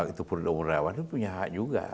itu punya hak juga